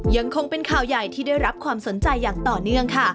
ยังคงเป็นข่าวใหญ่ที่ได้รับความสนใจอย่างต่อเนื่องค่ะ